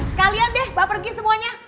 sekalian deh mbak pergi semuanya